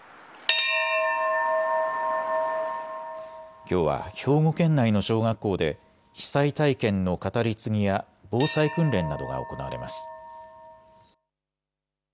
きょうは兵庫県内の小学校で被災体験の語り継ぎや防災訓練などが行われます。